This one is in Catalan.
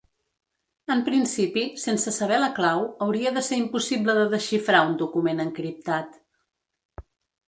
En principi, sense saber la clau, hauria de ser impossible de desxifrar un document encriptat.